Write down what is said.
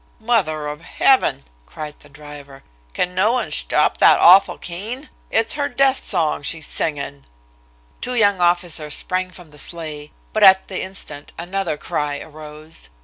"Mother of Heavin!" cried the driver. "Can no one shtop that awful keen. It's her death song she's singin'!" Two young officers sprang from the sleigh, but at the instant another cry arose.